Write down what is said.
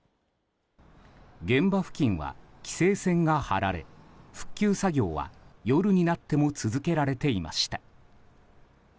現場付近は規制線が張られ復旧作業は夜になっても続けられていました。